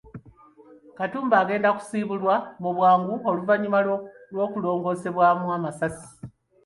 Katumba agenda kusiibulwa mu bwangu oluvannyuma lw’okulongoosebwamu amasasi.